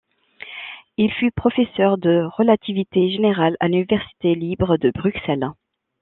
Il fut professeur de relativité générale à l'université libre de Bruxelles.